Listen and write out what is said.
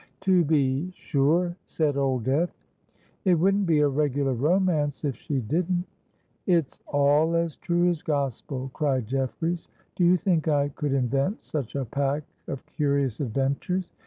"To be sure," said Old Death: "it wouldn't be a regular romance if she didn't." "It's all as true as gospel!" cried Jeffreys. "Do you think I could invent such a pack of curious adventures?